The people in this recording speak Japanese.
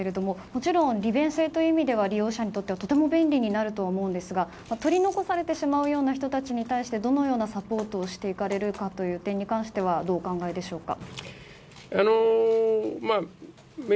もちろん、利便性という意味では利用者にとってはとても便利になると思うんですが取り残されてしまうような人たちにどのようなサポートをしていかれるかという点はどうお考えでしょうか。